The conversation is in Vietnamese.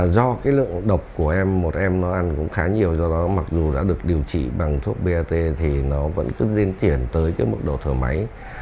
do cái lượng độc của một em nó ăn cũng khá nhiều do đó mặc dù đã được điều trị bằng thuốc bat thì nó vẫn cứ tiến triển tới cái mức độ thở máy